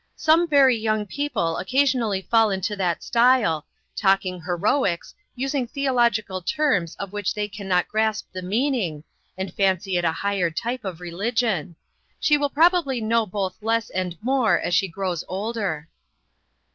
"Some very young people occasionally fall into that style, talking heroics, using theological terms of which they can not grasp the meaning, and fancy it a higher type of religion. She will probably know both less and more as she grows older."